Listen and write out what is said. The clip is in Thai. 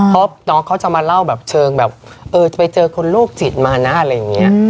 เพราะน้องเขาจะมาเล่าแบบเชิงแบบเออจะไปเจอคนโรคจิตมานะอะไรอย่างนี้